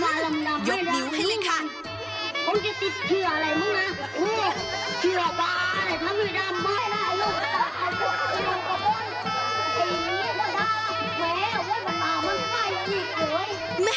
ทุกคนขอบคุณที่นี่ก็ได้ละแหมมันตามมันไปอีกเลย